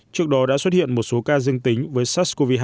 trước đó đã xuất hiện một số ca dương tính với sars cov hai